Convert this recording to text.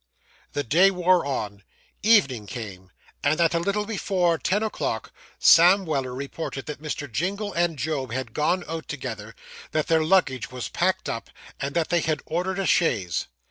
The day wore on, evening came, and at a little before ten o'clock Sam Weller reported that Mr. Jingle and Job had gone out together, that their luggage was packed up, and that they had ordered a chaise.